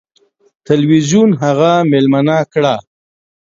تلویزیون هغه میلمنه کړه.